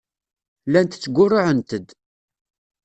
Llant ttgurruɛent-d.